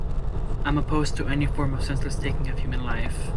I'm opposed to any form of senseless taking of human life.